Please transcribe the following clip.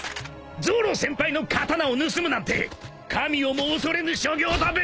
［ゾロ先輩の刀を盗むなんて神をも恐れぬ所業だべ！］